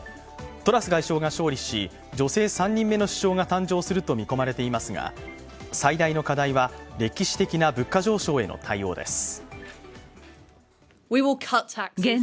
トラス外相が勝利し女性３人目の首相が誕生すると見込まれていますが最大の課題は歴史的な物価上昇への対応です。